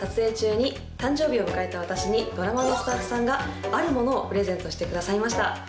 先日撮影中に誕生日を迎えた私にドラマのスタッフさんがあるものをプレゼントしてくださいました。